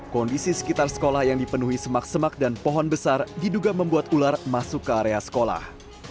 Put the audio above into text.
kondisi sekitar sekolah yang dipenuhi semak semak dan pohon besar diduga membuat ular masuk ke area sekolah